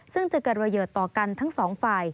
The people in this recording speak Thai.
ซึ่งจะกระเยิดต่อกันทั้งสองฝ่าย